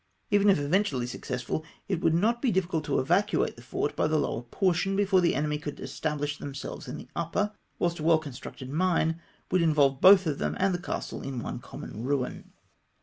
Even if eventually suc cessful, it would not be difficult to evacuate the fort by the lower portion, before the enemy could estabhsh themselves in the upper, whilst a well constructed mine would involve both them and the castle in one common ruin.